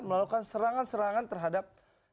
melakukan serangan serangan terhadap